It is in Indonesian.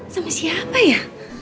sama siapa ya